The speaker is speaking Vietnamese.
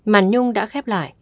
màn nhung đã khép lại